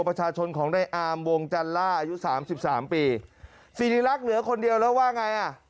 ประชาชนของในอามวงจันล่าอายุสามสิบสามปีสิริรักษ์เหลือคนเดียวแล้วว่าไงอ่ะ